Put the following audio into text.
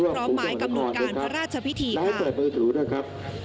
พร้อมหมายกำหนดการพระราชพิธีค่ะ